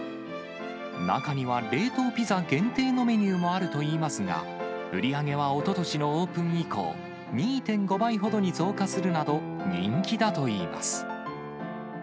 中には、冷凍ピザ限定のメニューもあるといいますが、売り上げはおととしのオープン以降、２．５倍ほどに増加するなど、人気だといいます。